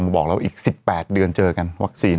บอกแล้วอีก๑๘เดือนเจอกันวัคซีน